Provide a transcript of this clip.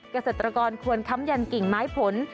เกษตรกรควรค้ำยันกิ่งไม้ผล